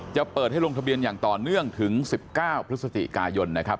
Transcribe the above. จะเปิดให้ลงทะเบียนอย่างต่อเนื่องถึง๑๙พฤศจิกายนนะครับ